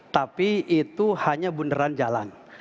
tapi itu hanya bunderan jalan